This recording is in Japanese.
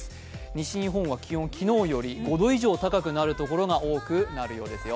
西日本は日中、昨日より５度以上高くなるところが多いようですよ。